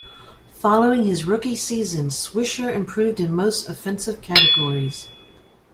Following his rookie season, Swisher improved in most offensive categories.